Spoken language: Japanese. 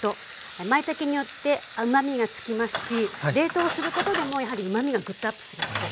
まいたけによって甘みがつきますし冷凍することでもやはりうまみがぐっとアップするので。